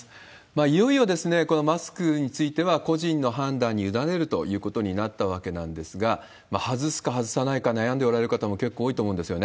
いよいよこのマスクについては、個人の判断に委ねるということになったわけなんですが、外すか外さないか、悩んでおられる方も結構多いと思うんですよね。